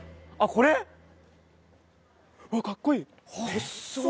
うわかっこいい！